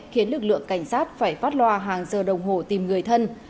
khiến lực lượng cảnh sát phải phát loa hàng giờ đồng hồ tìm người thân